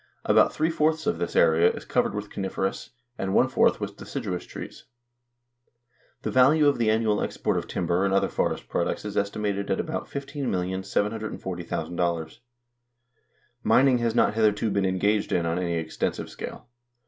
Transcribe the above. About three fourths of this area is covered with coniferous, and one fourth with deciduous trees. The value of the annual export of timber and other forest products is estimated at about $15,740,000. Mining has not hitherto been engaged in on any extensive scale.